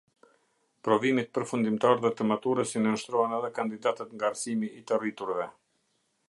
Provimit përfundimtar dhe të maturës i nënshtrohen edhe kandidatët nga arsimi i të rriturve.